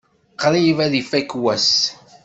Qrib ad ifak wass.